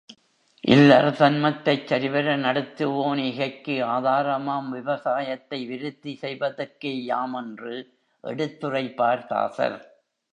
இல்லற தன்மத்தைச் சரிவர நடத்துவோன் ஈகைக்கு ஆதாரமாம் விவசாயத்தை விருத்தி செய்வதற்கேயாம் என்று எடுத்துரைப்பார் தாசர்.